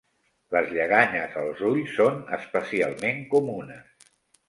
Les lleganyes als ulls són especialment comunes.